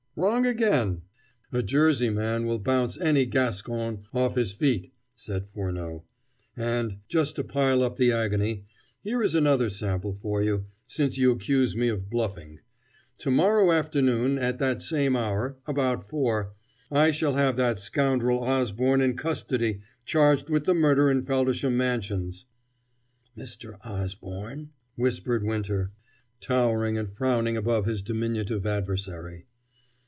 "Wrong again! A Jersey man will bounce any Gascon off his feet," said Furneaux. "And, just to pile up the agony, here is another sample for you, since you accuse me of bluffing. To morrow afternoon, at that same hour about four I shall have that scoundrel Osborne in custody charged with the murder in Feldisham Mansions." "Mr. Osborne?" whispered Winter, towering and frowning above his diminutive adversary.